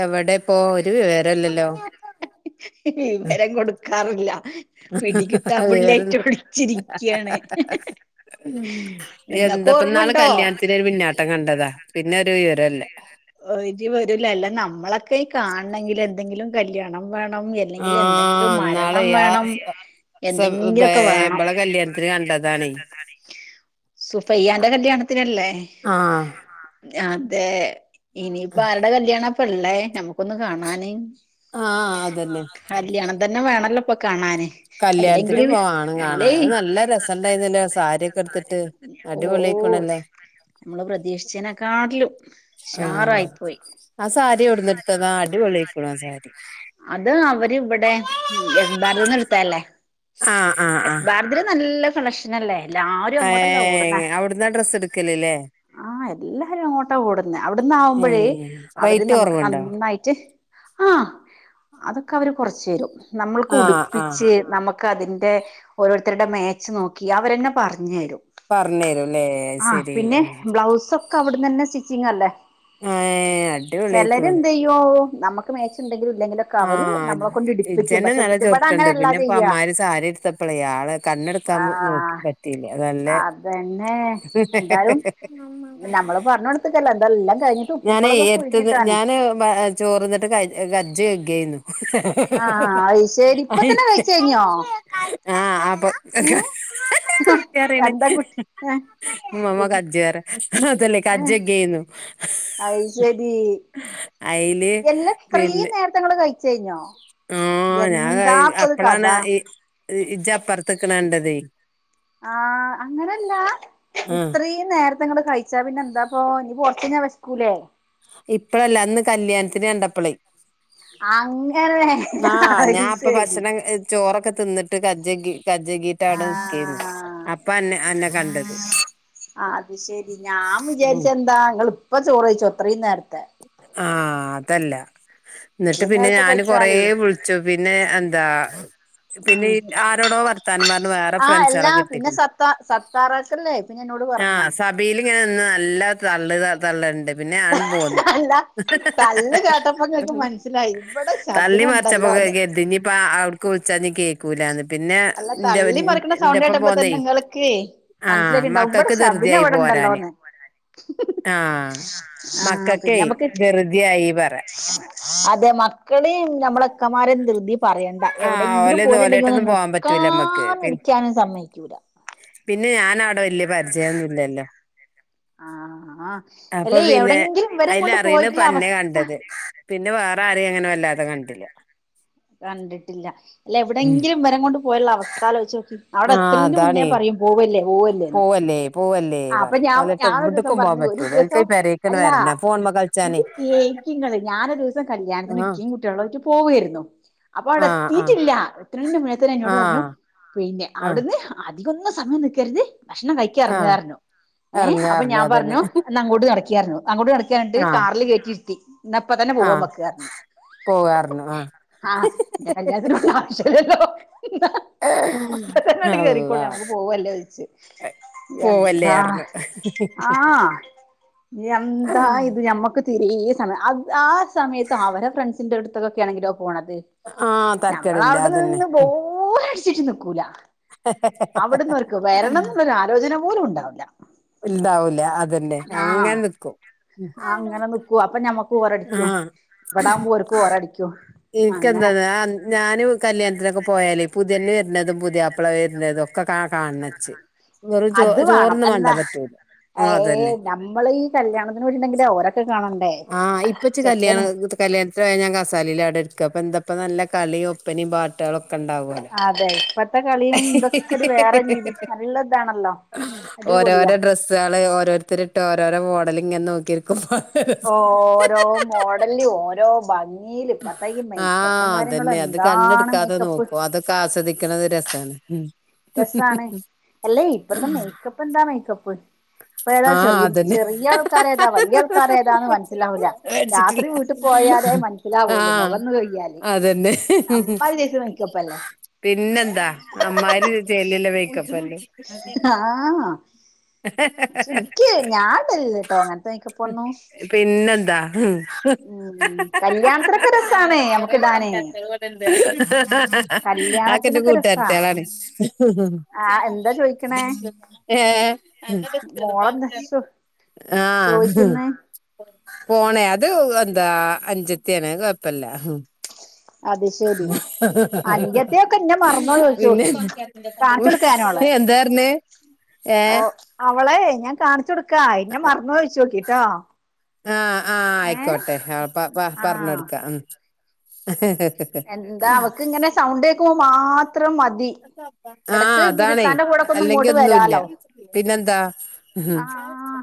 എവടെപ്പോ ഒരു വിവരല്ലല്ലോ? വിവരം കൊട്ക്കാറില്ല. പിടികിട്ടാ വിവരം പുള്ളിയായ്ട്ട് ഒളിച്ചിരിയ്ക്ക്യാണ്. ഉം, എന്താപ്പന്നാള് കല്ല്യാൺത്തിന് ര് മിന്നാട്ടം കണ്ടതാ. പിന്നെ ഒരു വിവരല്ല [unintelligible] ഓരി വരൂല അല്ല നമ്മളൊക്കെ ഈ കാൺണെങ്കില് എന്തെങ്കിലും കല്ല്യാണം വേണം എ എല്ലെങ്കില് എന്തെങ്കിലും ആഹ് മരണം വേണം ഫെ ബേ എന്തെങ്കിലൊക്കെ വേണം ബള കല്ല്യാൺത്തിന് കണ്ടതാണെയ്. [inaudible] സുഫയ്യാന്റെ കല്ല്യാണത്തിനല്ലേ? ആഹ്. അതേ, ഇനിയിപ്പ ആര്ടെ കല്ല്യാണപ്പള്ളേ നമുക്കൊന്ന് കാണാന്. ആഹ്. അതെന്നെ. കല്ല്യാണം തന്നെ വേണല്ലൊ പ കല്ല്യാൺത്തിന് പോ ആണ് കാണാ അല്ലേ നല്ല രസംണ്ടായിന്ന്ല്ലേ സാരി ഒക്കെട്ത്ത്ട്ട്.? ഓഹ്, മ്മള് പ്രതീക്ഷിച്ചെനെക്കാട്ട്ലും ഷാറായി പോയ്. ആഹ് സാരി എവ്ട്ന്ന്ട്ത്തതാ അടിപൊളിയിക്ക്ണു ആ സാരി. അത് അവര് വടെ ഉം എസ്ബ [unintelligible] ന്ന് ട്ത്തേല്ലേ. ആഹ് ആഹ് ആഹ് എസ്ബാ തില് നല്ല കളക്ഷ്നല്ലേ എല്ലാരും ഏ അങ്ങോട്ടല്ലെ ഓടുന്നെ. അവിടുന്നാ ഡ്രസ്സ് എടുക്കലല്ലേ ആഹ് എല്ലാരും അങ്ങോട്ടാ ഓട്ന്നെ. ഏ അവ്ട്ന്നാവുമ്പ്ഴേ അവര് റേറ്റ് നമുക്ക് കുറവുണ്ടോ നന്നായിറ്റ് ആഹ്, അതൊക്കെ അവര് കൊറച്ചെരും. നമ്മൾക്ക് ആഹ് ആഹ് ഉടിപ്പിച്ച് നമ ക്കതിന്റെ ഓരോര്ത്തര്ടെ മേച്ച് നോക്കി അവരന്നെ പറഞ്ഞെരും. പറഞ്ഞരുല്ലേ ആഹ്, ശരി പിന്നെ ബ്ലൗസൊക്കെ അവ്ട്ന്നെന്നെ സ്റ്റിച്ചിങ്ങല്ലേ.? ഏഹ്, അടിപൊളിയ്. ല്ലാരുന്തെയ്യൂ നമക്ക് മേച്ച് ണ്ടെങ്കിലും ഇല്ലെങ്കിലു ആഹ്, ഇജ്ജെന്നെ നല്ല ഇവിടെ ചെർക്ക്ണ്ട് അങ്ങനെയല്ല പിന്നെ ഇപ്പ ചെയ്യാ അമ്മാരി സാരിട്ത്തപ്പളെ ആളെ കണ്ണെട്ക്കാൻ മൊ നോക്കി ആഹ് പറ്റീല്ല്യ. നല്ലെ അതന്നെ [inaudible] അഹ് പർണ്ണൊട്ത്ത്കല്ലേ എന്തല്ല [unintelligible] ഞാനെയ് എര്ത്ത്ന്ന് ഞാന് ബ ചോറ്ന്ന്ട്ട് ക കജ്ജ് കെഗ്ഗെന്നു. ആഹ് [unintelligible] അത് ശരി ഇപ്പ കയ്യ് തന്നെ കഴിച്ച് കഴിഞ്ഞോ ഏഹ് [unintelligible] ട്ട്യറീണ് എന്താ കുട്ടി ഏഹ് മമ്മ കജ്ജ്റെ അതല്ലേ കജ്ജ കേന്നു. അയ് ശെരി. അയ്ല് എല്ല ത്രീ നേര്ത്തെങ്ങള് കൈച്ചയ്ഞ്ഞോ? ആഹ്, ഞാൻ കൈ അപ്പളാണ് ഈ ഇജ്ജപ്പർത്ത്ക്ക്ണണ്ടതെ. ആഹ്, അങ്ങനല്ലാ ആഹ് ഇത്രീം നേര്ത്തെങ്ങട് കഴിച്ചാ പിന്നെന്താ പ്പോ ഇഞ്ഞി കൊർച്ചയ്ഞാ വെശ്ക്കൂലേ.? ഇപ്പഴല്ല അന്ന് കല്ല്യാൺത്തിന് കണ്ടപ്പളേ. അങ്ങനെ. ആഹ്, അത് ഞാ അപ്പ ശരി ഭഷണം ചോറൊക്കെ ത് ന്ന്ട്ട് കജ്ജെകി കജ്ജെകി ട്ട ടെ ന്ക്കേന്ന്. ആഹ് അപ്പന്നെ അന്നെ കണ്ടത്. ആഹ്, അത് ശെരി. ഞാം ഉം വിചാരിച്ചെന്താ ങ്ങള്പ്പം ചോറെയ്ച്ചോ ഇത്രിംനേര്ത്തെ. ആഹ്, അതല്ല. ന്ന്ട്ട് ഇത്രയും പിന്നെ നേരത്തെ ഞാന് കൊറേ കഴിച്ചാലേ വിൾച്ചു. പിന്നെ എന്താ ഉം പിന്നെയി ആരോടോ വർത്താനം പർണ് വേറെ ആഹ് ഫ്രണ്ട്സേളെ എല്ലാ കിട്ടിക്ണ്. [unintelligible] ന്നോട് പർണെ ബീലി ങ്ങനെ ന്ന് നല്ല തള്ള് ത തള്ള്ണ്ട്. പിന്നെ ആൻ പോന്നു. തള്ള് കേട്ടപ്പൊങ്ങക്ക് മൻസ്സ്ലായി വടെ! ! ! ! ! ! ! ണ്ടല്ലോന്ന്. ഇഞ്ഞിപ്പാ അവ്ട്ക്ക് വിൾച്ചാ ഞ്ഞി കേ ക്കൂലാന്ന് പിന്നെ അല്ല എന്റെ തള്ളി മറിക്കണ എന്റെ സൗണ്ട് ഒപ്പം കേട്ടപ്പോ പോന്നേ തന്നെ നിങ്ങൾക്ക് ആ മ മനസ്സിലായിട്ടുണ്ടാവും ഇവിടെ ക്കക്ക് ധൃതി ശബിന ആയി ഇവിടെ പോരാന് ഉണ്ടല്ലോന്ന് ആ മക്ക ആഹ് പിന്നെ ക്കെ നമുക്ക് വെറുതെ ആയി പറ അതെ മക്കടെയും ഞമ്മടെ ഇക്കമാരുടെയും ധൃതി പറയണ്ട ആഹ് എവിടെങ്കിലും ഓലെന്നും പോയിട്ടുണ്ടെങ്കി ഒന്ന് ഓലേട്ടൊന്നും പോവാൻ പറ്റൂല മ്മക്ക്. നിൽക്കാനും പി ഇരിക്കാനും സമ്മയിക്കൂല പിന്നെ ഞാൻ അവിടെ വല്യ പരിചയമൊന്നുമില്ലല്ലോ ആഹ് അപ്പൊ അല്ലെ പിന്നെ എവിടെങ്കിലും ഇവരേം അയില് കൊണ്ട് അറിയണത് പോയിട്ടുള്ള തന്നെയാ കണ്ടത് അവസ്ഥ പിന്നെ വേറെ ആരെയും അങ്ങനെ വല്ലാതെ കണ്ടില്ല കണ്ടിട്ടില്ല അല്ല എവിടെയെങ്കിലും ഇവരേയും കൊണ്ട് പോയാലുള്ള അവസ്ഥ ആലോചിച്ച് നോക്ക് അവടെ എത്തണേന്റെ മുന്നേ പറയും പോവല്ലേ പോവ വല്ലേ പോവല്ലേ പറ ഓലുവായിട്ട് ഞാനൊരു ദിവസം എവിടേക്കും പോവാൻ പറഞ്ഞു ഒരു പറ്റൂല ഓൽക്ക്‌ ദിവസം ഈ പെരേക്ക്‌ തന്നെ അല്ല വരണം ഫോൺമേ ക ഇത് കേൾക്ക്‌ ഇങ്ങള് ഞാനൊരു ദിവസം കല്യാണത്തിന് ആഹ് ഇക്കയും കുട്ടികളുമായിട്ട് പോവായിരുന്നു അപ്പൊ അവടെ ആഹ് ആഹ് എത്തീട്ടില്ല എത്തണേന്റ മുന്നേ തന്നെ എന്നോട് പറഞ്ഞു പിന്നെ ആഹ് അവിടുന്ന് അധികമൊന്നും സമയം നിക്കരുത് ഭക്ഷണം കഴിക്കുക ആഹ് എറങ്ങുക ആഹ് പറഞ്ഞു ഏഹ് അപ്പൊ എറങ്ങാർഞ്ഞു ഞാൻ അതന്നെ പറഞ്ഞു എന്നാ അങ്ങോട്ട് നടക്കീ പറഞ്ഞു അങ്ങോട്ട് നടക്കി കഴിഞ്ഞിട്ട് ആഹ് കാറില് കേറ്റിയിരുത്തി എന്നാ ഇപ്പത്തന്നെ പോവാ നമ്മക്ക് പറഞ്ഞു പോവാ പറഞ്ഞു ആഹ് ആഹ് പിന്നെ കല്യാണത്തിന് വരണ്ട ആവശ്യമില്ലല്ലോ എന്ന് അഹ് ഇപ്പതന്നെ അങ്ങട്ട് കേറിക്കോളി അള്ളാ നമ്മക്ക് പോവാം അല്ലേ ചോയിച്ചു ആഹ് പോവല്ലേർഞ്ഞു ആഹ് എന്താ ഇത് ഞമ്മക്ക് ഇത്തിരീ സമയം അത് ആ സമയത്ത് അവരെ ഫ്രണ്ട്സിന്റെ അടുത്തൊക്കെ ആണെങ്കിലോ പോണത് ആഹ് നമ്മള് തര്ക്കേടില്ല അവടെ അതന്നെ നിന്ന് ബോറടിച്ചിട്ട് നിക്കൂല അവിടുന്ന് ഓൽക്ക് വരണം എന്നുള്ളൊരു ആലോചന പോലും ഉണ്ടാവില്ല ഇണ്ടാവൂല്ല അതന്നെ അങ്ങനെ നിക്കും ഉം നിക്കും അപ്പം ഞമ്മക്ക് ബോറടിക്കും ഇവിടാവുമ്പോ ഓർക്ക് ബോറടിക്കും അങ്ങനെ ഞാനും കല്യാണത്തിനൊക്കെ പോയാലേ പുതിയ പെണ്ണ് വരുന്നതും പുതിയാപ്പള വരുന്നതും ഒക്കെ കാണണം എനിച്ച് വെറും അത് വേണം ചോറൊന്നും എന്താ വാണ്ട പറ്റൂല ആ അത് ഏയ് തന്നെ നമ്മള് ഈ കല്യാണത്തിന് വരുന്നുണ്ടെങ്കിലേ ഓരൊക്കെ കാണാ ആഹ് ഇപ്പൊ ഇച്ച് കല്യാണ കല്ല്യാണത്തിന് പോയാൽ ഞാൻ കസേരയിൽ അവിടാ ഇരിക്കുക അപ്പൊ എന്താ ഇപ്പൊ നല്ല കളിയും ഒപ്പനേയും പാട്ടുകളൊക്കെ ഇണ്ടാവൂലൊ അതെ ഇപ്പത്തെ കളിയും ഇതൊക്കെ ഒരു വേറെ രീതി നല്ല ഇതാണല്ലോ അടിപൊളിയാ ഓരോരൊ ഡ്രസ്സുകള് ഓരോരുത്തരിട്ട് ഓരോരോ മോഡലിങ്ങനേ നോക്കിയിരിക്കും ഓരോ മോഡല്ല് ഓരോ ഭം ഗീല് ഇപ്പത്തേ ഈ മേയ്ക്കപ്പും ആഹ് കാര്യങ്ങളും എന്താണ് മേയ്ക്കപ്പ് ക്കെ ആസ്വദിക്കണത് ഒരു രസാണ് ഉം രസാണ് അല്ലേയ് ഇപ്പത്തെ മേയ്ക്കപ്പ് എന്താ മേയ്ക്കപ്പ് ഇപ്പ ഏതാ ചെറ ആഹ് അതന്നെ ചെറിയ ആൾക്കാരേതാ വല്ല്യ ആൾക്കാരേതാന്ന് മനസ്സിലാവൂല മേടിച്ചിട്ടില്ല രാത്രി വീ ട്ടിൽ പോയാലേ മനസ്സിലാവൂള്ളൂ ആഹ് മൊഖവൊന്നു കഴകിയാല് അതന്നെ അമ്മാതിരി സൈസ് മേയ്ക്കപ്പല്ലേ പിന്നെന്താ അമ്മാരി ചേലിള്ള മേയ്ക്കപ്പ് ആഹ് പക്ഷെ എനിക്ക്‌ ഞാൻ ഇടലില്ലട്ടോ അങ്ങനത്തെ മേയ്ക്കപ്പൊന്നും പിന്നെന്താ ഉം ഉം കല്യാണം [unintelligible] [unintelligible] അതൊക്കെ എന്റെ കല്യാണത്തിനൊക്കെ രസാ കൂട്ടുകാരത്തികളാണ് ആഹ് ഫ്രണ്ട് എന്താ ചോയിക്കണേ ഏ മോളെന്താ ചോ [unintelligible] ആഹ് ചോയിക്കുന്നെ പോണെ അത് എന്താ അനുജ ത്തിയാണ് അത് കുഴപ്പമില്ല അത് ശ മറന്നോ പിന്നേ ചോയിച്ചോക്കി കാണിച്ചു കൊടുക്കാ ഞാനോളെ [unintelligible] എന്താ പറഞ്ഞേ ഏ അവളെയ് ഞാൻ കാണിച്ചോട്ക്കാ ഇന്നെ മറന്നോ ചോയിച്ചോക്കിട്ടോ ആഹ് ആഹ് ഏഹ് അയിക്കോട്ടെ ആഹ് പ പ ആഹ് പറഞ്ഞെടുക്കാം ഉം എന്താ അവക്ക് ഇങ്ങനെ സൗണ്ടേക്കുമ്പോ മാത്രം മതി ആ ഇടക്ക് പിന്നെ അതാണേ ഇത്തന്റെ കൂടെക്കെ ഒന്ന് അല്ലെങ്കി ഇങ്ങോട്ട് ഒന്നുല്ല വരാലോ പിന്നെന്താ ഉം ആഹ്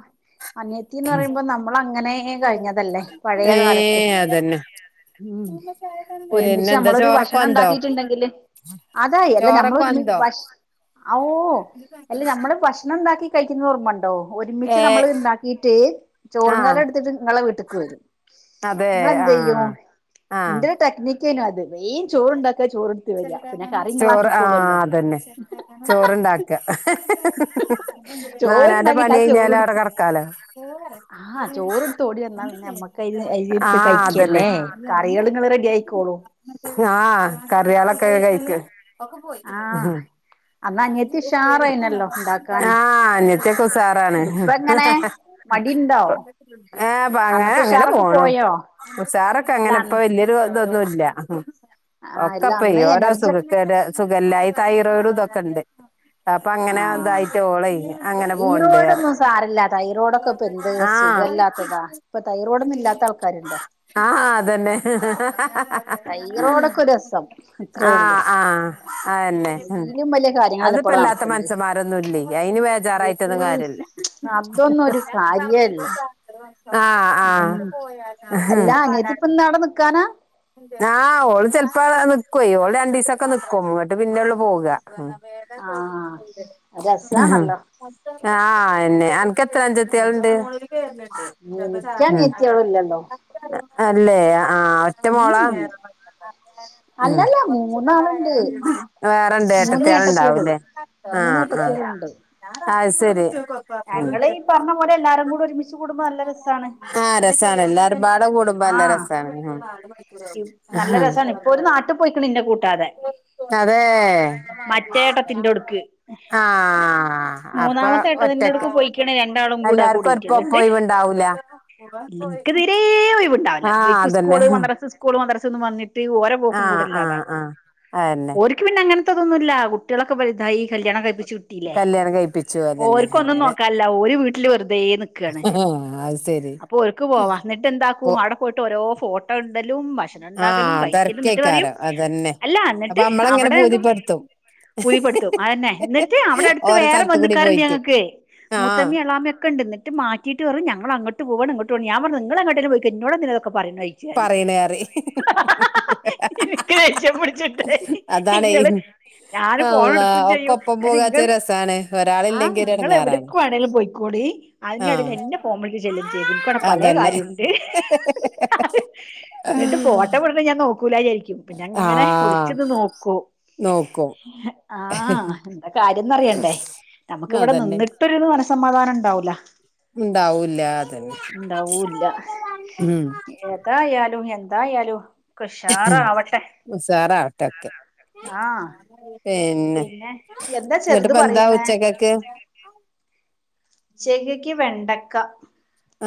അനിയത്തി ന്ന് പറയുമ്പോ നമ്മൾ അങ്ങനെ കഴിഞ്ഞതല്ലേ പഴയ ഏ കാലത്ത് അതന്നെ ഉം ഒരുമിച്ച് പിന്നെന്താ നമ്മളൊരു ചോറൊക്കെ ഭക്ഷണം വന്തോ ഉണ്ടാക്കിട്ടുണ്ടെങ്കില് അതായി അല്ല നമ്മൾ ചോറൊക്കെ ഒരുമി വന്തോ ഭഷ് അഹ് ഓഹ് അല്ല നമ്മടെ ഭക്ഷണം ഉണ്ടാക്കി കഴിക്കുന്നത് ഓർമ്മ ഉണ്ടോ ഓ ഒരുമിച്ച് ഏ നമ്മൾ ഇണ്ടാക്കിട്ട് ചോറും ആ കലം എടുത്തിട്ട് നിങ്ങളെ വീട്ടിക്ക് വരും അതെ ഇങ്ങള് ആ എന്തയ്യും ആ ഇന്റെ ഒരു ടെക്നിക്കെണ് അത് വെ ചോറണ്ടാക്കാ ചോറ്ടുത്ത് വരി പിന്നെ കറിങ്ങള് ചോറ് ആ ആക്കിക്കോളല്ലോ അതന്നെ ചോറുണ്ടാക്ക ന്നാ ചോർ അവനാന്റെ ഉണ്ടാക്കിട്ട് പണി ആ ചോർ കഴിഞ്ഞാല് അവിടെ കടക്കാലോ ആഹ് ചോറ്ടുത്ത് ഓടി വന്ന പിന്നെ നമ്മക്ക് അതിട്ട് ആഹ് അതന്നെ കഴിക്കല്ലേ കറികളും നിങ്ങൾ റെഡി ക്കോളും ആഹ് കറിയളൊക്കെ കയ്ക്ക് ആഹ് അന്ന് അനിയത്തി ഉഷാറായിനല്ലോ ഇണ്ടാക്കാന് ആഹ് അനിയത്തി ഒകെ ഉഷാറാണ് ഇപ്പ എങ്ങനെ മടിണ്ടോ ഏഹ് പ അങ്ങനെ അന്നത്തെ അങ്ങനെ ഉഷാറൊക്കെ പോണു പോയോ ഉസാറൊക്കെ അല്ല അങ്ങനെ ഇപ്പ അന്ന് വല്യൊരു ഇതൊന്നുല്ല ആഹ് ഒക്കെ ഇല്ല പ അന്ന് ഓരോ എനർജി സുഖക്ക സുഖല്ലായി തൈറോയിട് ഇതൊക്കെ ഉണ്ട് അപ്പൊ അങ്ങനെ ഇന്തായിട്ട് ഓളെ അങ്ങനെ പോണ്ട് തൈറോഡൊന്നും സാറില്ലാ തൈറോഡൊക്കെ ഇപ്പൊ എന്ത് ആഹ് സുഖല്ലാത്തതാ ഇപ്പൊ തൈറോടൊന്ന ഇല്ലാത്ത ആൾക്കാരുണ്ടോ ആഹ് അതന്നെ തൈറോയിഡൊക്കെ രസം അത്രേ ഉള്ളൂ ആഹ് ആഹ് അന്നെ ഉം അയിലും വലിയ കാര്യങ്ങളല്ലേ അതിപ്പോ ഇപ്പവിടെ എല്ലാ ത്തെ നടക്കണത് മനസന്മാരൊന്നും ഇല്ല അയിന് വേജാറായിട്ടൊന്നും ഏയ് കാര്യല്ല അതൊന്നും ഒരു കാര്യല്ല ആഹ് ഉം ആഹ് എല്ലാ അനിയത്തി ഇപ്പ ഇന്ന് ആടെ നിക്കാനാ ആഹ് ഓള് ചെലപ്പോ നിക്കുവ ഓള് രണ്ടു ദിവസംക്കെ നിക്കും ഇങ്ങട്ട് പിന്നെള്ള പോക ആഹ് ആഹ് ആഹ് രസാണല്ലോ ആഹ് എന്നെ അൻക്ക് എത്ര അഞ്ചത്തിയാളുണ്ട് എനിക്കനിയത്തിയാളില്ലല്ലോ അല്ലെ ആഹ് ഒറ്റ മോളാ ഉം ഉം അല്ലല്ല മൂന്നാളുണ്ട് വേറെണ്ട് മൂന്ന് ഏട്ടത്തിയാള് ഏട്ടത്തികളുണ്ടാവൂല്ലേ മൂന്ന് ആഹ് ആഹ് ഏട്ടത്തിയാളുണ്ട് അഹ് ശരി ഞങ്ങള് ഈ പറഞ്ഞ പോലെ എല്ലാരും കൂടെ ഒരുമിച്ച് കൂടുമ്പോ നല്ല രസാണ് ആഹ് രസാണ് എല്ലാരും പാടെ കൂടും മ്പ നല്ല ആഹ് രസാണ് ആഹ് നല്ല രസാണ് ഇപ്പൊ ഒരു നാട്ടി പോയിക്കണ് ഇന്നെ കൂട്ടാതെ അതെ മറ്റേ ഏട്ടത്തിന്റോടുക്ക് ആഹ് അപ്പാ മൂന്നാമത്തെ ഒറ്റക്ക് ഏട്ടത്തിന്റോടുക്ക് പോയിക്കണ് രണ്ടാളും കൂടെ എല്ലാർക്കും ഒപ്പോ പ്പോ ഒഴിവുണ്ടാവൂല ഇന്ക് തീരെ ഒഴിവ് ഉണ്ടാവില്ല ആഹ് ഇവർക്ക് അതന്നെ സ്കൂള് മദ്രാസ് സ്കൂൾ മദ്രസ്ന്നും പറഞ്ഞിട്ട് ഓരോ പോക്കും കൂടെ ആഹ് ആഹ് ഇല്ലാതാക്കും ആഹ് അതന്നെ ഓർക്ക് പിന്നെ അങ്ങനത്തെന്നുംല്ല കുട്ട്യാളക്കെ വലുതായി കല്യാണം കഴിപ്പിച്ച് വിട്ടു കല്യാണം കഴിപ്പി ഓര്ക്കൊന്നും നോക്കാല്ല ഒരു വീട്ടില് വെറുതെ നിക്കാണ് അത് ശരി അപ്പൊ ഓർക്ക് പോവാ ഇപ്പൊ എന്താക്കും അവിടെ പോയിട്ട്ഓരോ ഫോ ട്ട ഇടലും ഭക്ഷണം ഉണ്ടാക്കലും ആഹ് കഴിക്കലും എന്നിട്ട് പറയും തെരക്കേക്കാരം അതന്നെ അല്ല അപ്പൊ എന്നിട്ട് നമ്മളങ്ങനെ അവിടെ ബോധ്യപ്പെടുത്തും പുയിപ്പെടുത്തും അതന്നെ എന്നിട്ട് അവിടെ അടുത്ത് ഓരോ വേറെ സ്ഥലത്ത് വന്നി കൂടി ക്കാറണ്ട് പോയിട്ട് ഞങ്ങക്ക് ആഹ് മൂത്തമ്മി എളാമിം ഒക്കെ ഉണ്ട് മാറ്റിട്ട് പറയും ഞങ്ങോട്ട് പോവാ ഇങ്ങോട്ട് പോവാ ഞൻ പറയും നിങ്ങൾ എങ്ങോട്ടേലും പോയിക്കോ എന്നോട് എന്തിനാ പറയു ഒക്കെ പറയുന്നു അഴച്ചു ഞൻ പറയണ് പറയും എനക്ക് ദേഷ്യം പിടിച്ചിട്ടെ അതാണേ അല്ലാഹ് എടുക്കും ഒക്കപ്പം പൂകാച്ച രസാണ് ആഹ് ഒരാളില്ലെങ്കി ഒരു നിങ്ങൾ എടങ്ങേറാണ് എവിടക്ക് വേണങ്കിലും പോയ്ക്കോളി അതിന്റെയെടക്ക് ആഹ് എന്റെ ഫോൺ വിളിച് [unintelligible] ഇൻക്ക് ഇവിടെ പല അതന്നെ കാര്യുണ്ട് ന്നിട്ട് ഫോട്ടം വിടുമ്പോ ഞാൻ നോക്കൂലാജാരിക്കും പിന്നെ അങ്ങനെ ആഹ് ഒളിച്ചിന്ന് നോക്കും നോക്കും ആഹ് കാര്യംന്ന് അറിയണ്ടേ നമുക്ക് ഇവിടെ അതന്നെ നിന്നിട്ടൊരു മനസ്സമാധാനം ഇണ്ടാവൂല ഉണ്ടാവൂല്ല അതന്നെ ഇണ്ടാവൂല്ല ഉം ഇതായാലും എന്തായാലും ഉഷാറാവട്ടെ ആഹ് ഏഹ് പിന്നെ എന്താ ചെർത് പറയുന്നേ ഉച്ചക്കക്ക് ചെകയ്ക്ക് വെണ്ടക്ക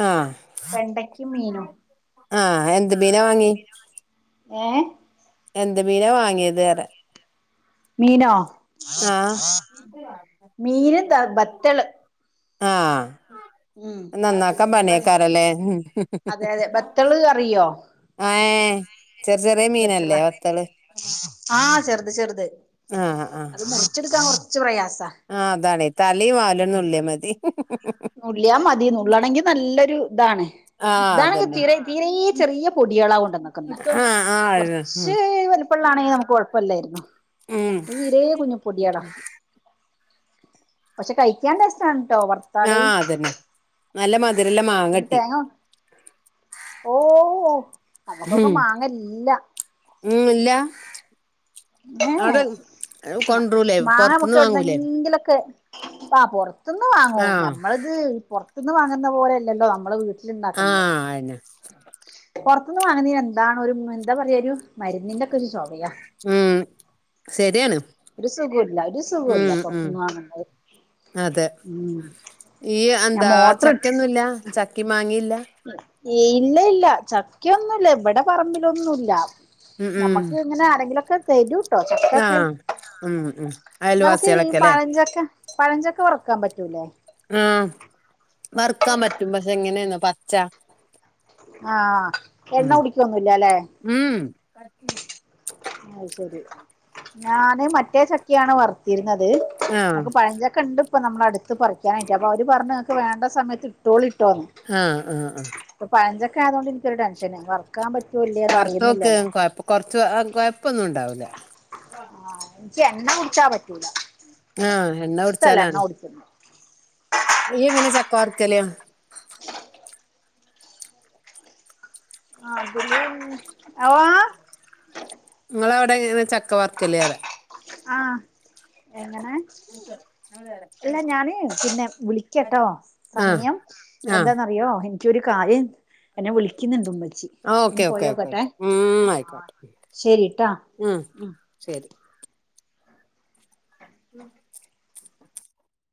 ആഹ് വെണ്ടയ്ക്കിം മീനും ആഹ് എന്ത് മീനാ വാങ്ങി ഏഹ് എന്ത് മീനാ വാങ്ങിയത് പറിയാ മീനോ ആഹ് മീന് ന്താ ബെത്തള് ആഹ് നന്നാക്കാം ബ പണിയാക്കാരല്ലേ അതെ അതെ ബത്തള് അറിയോ ഏഹ് ചെറു ചെറിയേ ബെത്തളോ ആഹ് ചെറ്ത് ചെറ്ത് ആഹ് ആഹ് അത് മുറിച്ചെടുക്കാൻ കൊർ ച്ച് പ്രയാസ ആഹ് അതാണേയ് തലേം വാലും നുള്ളിയ മതി നുള്ളിയാമതി നുള്ളണെങ്കിൽ നല്ലൊരു ഇതാണ് ആഹ് ഇതാണെങ്കി അതന്നെ തീരെ തീരേ ചെറിയ പൊടിയാ [unintelligible] ആഹ് ആഹ് കൊർച്ച് വലുപ്പള്ളാതാണെങ്കിൽ നമുക്ക് കൊ ഴപ്പല്ലേ ഇത് ഉം തീരെ കുഞ്ഞു പൊടിയേളാ പക്ഷെ കഴിക്കാൻ ടെസ്റ്റ് ആണുട്ടോ വർത്താല് ആഹ് അതന്നെ നല്ല മധുരള്ള മാ പിന്നെ തേങ്ങ ഓ നമുക്കൊക്കെ ഉം മാങ്ങല്ല ഉം ഇല്ല ഏഹ് അവിടെ ഏഹ് കൊണ്ടരൂലേ മാങ്ങ നമ്മുക്ക് പൊറത്തുന്ന് വാങ്ങൂലേ എവിടുന്നെങ്കിലൊക്കെ ആഹ് പൊർത്തുന്ന് വാങ്ങു ആഹ് നമ്മള് ഈ പൊർത്ത്ന്ന് വാങ്ങുന്ന പോലെയല്ലല്ലോ നമ്മള് വീട്ടിലിണ്ടാക്കുന്നേ ആയ്ന്നേ പൊർത്തുന്ന് വാങ്ങുന്നീന് എന്താണൊരു എന്താ പറയാ ഒരു മരുന്നിന്റെ ഒക്കെ ഒരു ചൊവയാ ഉം ശരിയാണ് ഒരു സുഖുല്ല ഒരു സുഖുല്ല ഉം ഉം പൊർത്തുന്ന് വാങ്ങുന്നത് അതെ ഉം ഈ ഞാൻ എന്താ മോട്ടർ ഇട്ട് ചക്കയൊന്നുല്ല ചക്കിം മാങ്ങിം ഇല്ല ഇല്ല ഇല്ല ചക്കയൊന്നുംല്ല ഇവിടെ പറമ്പിലൊന്നുല്ല ഉം ഉം നമ്മക്ക്ങ്ങനെ ആരെങ്കിലൊക്കെ തെരും കൊർചൊക്കെ ആഹ് ഉം ഉം നമുക്ക് ഈ അയൽവാസികളൊക്കെല്ലേ പഴഞ്ചക്ക പഴഞ്ചക്ക വറുക്കാൻ പറ്റൂലേ ആഹ് വറുക്കാൻ പറ്റും പക്ഷെ എങ്ങനെയന്നോ പച്ച ആഹ് എണ്ണ ഉം കുടിക്കൊന്നുല്ലാല്ലെ ഉം ആയ് ശെരി ഞാന് മറ്റേ ചക്ക്യാണ് വർത്തിർന്നത് ആഹ് നമുക്ക് പഴഞ്ചക്ക ഇണ്ട് ഇപ്പ നമ്മള അടുത്ത് പറിക്കാനായിട്ട് അപ്പൊ അവര് പറഞ്ഞ് നിങ്ങക്ക് വേണ്ട സമയത്ത് ഇട്ടോളിട്ടോന്ന് ആഹ് ആഹ് ആഹ് ഇപ്പൊ പഴഞ്ചക്ക ആയതോണ്ട് ഇൻക്കൊരു ടെൻഷന് വർക്കാൻ പറ്റൊ ഇല്ലേന്ന് അറിയുന്നില്ലല്ലോ കുറച്ച് ആ കുഴപ്പമൊന്നും ഉണ്ടാവില്ല ആഹ് എനിക്ക് എണ്ണ കുടിച്ചാ പറ്റൂല ആഹ് എണ്ണ ഇഷ്ടല്ല എണ്ണ കുടിച്ചുന്നത് ഇയ്യെങ്ങനെ ചക്ക വറുക്കല് ആഹ് അതിലും നിങ്ങെളവിടെ ഈ ചക്കവർക്കല്ലേലാ. ആഹ് എങ്ങനെ? ഇക്കർ ആതാരാ? അല്ല, ഞാന് പിന്നെ വിളിക്കട്ടോ. ആഹ് സമയം ആഹ് എന്താന്നറിയ്യോ. എനി ക്ക് ഒര് കാര്യം എന്നെ വിളിക്കുന്നുണ്ട് ഉമ്മച്ചി. ഒന്ന് ഓക്കെ പോയ് ഓക്കെ ഓക്കെ നോക്കെട്ടെ ഓക്കെ ശരിട്ടാ. ങും ഉം ശരി ഉം